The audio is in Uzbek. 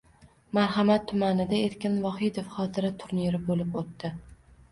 Marhamat tumanida Erkin Vohidov xotira turniri bo‘lib o‘tdi